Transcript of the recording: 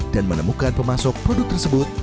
dan menemukan pemasok produk tersebut